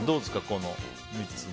この３つの。